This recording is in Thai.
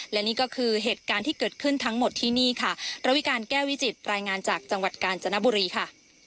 และนี่ก็คือเหตุการณ์ที่เกิดขึ้นทั้งหมดที่นี่ค่ะระวิการแก้วิจิตรายงานจากจังหวัดกาญจนบุรีค่ะ